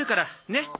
ねっ。